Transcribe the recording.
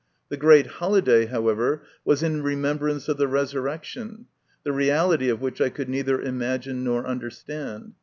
The great holiday, however, was in remembrance of the Resurrec tion, the reality of which I could neither imagine nor understand.